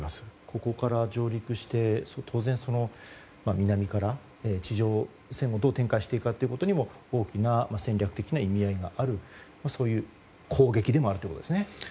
ここから上陸して当然、南から地上戦をどう展開していくかということでも大きな戦略的な意味合いがあるとそういう攻撃でもあるということですね。